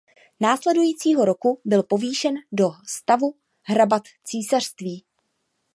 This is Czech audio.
Následujícího roku byl povýšen do stavu hrabat císařství.